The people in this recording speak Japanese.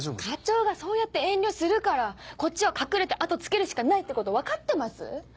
課長がそうやって遠慮するからこっちは隠れて後つけるしかないってこと分かってます？